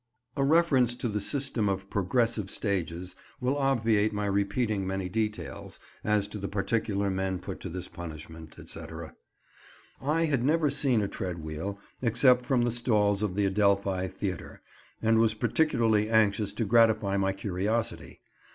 A reference to the "system of progressive stages" will obviate my repeating many details as to the particular men put to this punishment, etc. I had never seen a tread wheel except from the stalls of the Adelphi Theatre, and was particularly anxious to gratify my curiosity.